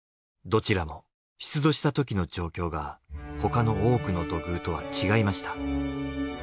どちらも出土したときの状況が他の多くの土偶とは違いました。